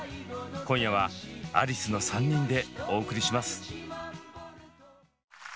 今夜はアリスの３人でお送りします。